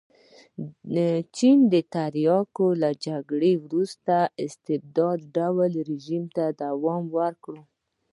چین د تریاکو له جګړې وروسته استبدادي ډوله رژیم ته دوام ورکړ.